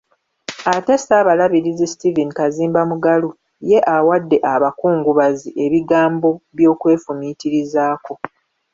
Ate Ssaabalabirizi Stephen Kazimba Mugalu ye awadde abakungubazi ebigambo by'okwefumiitirizaako.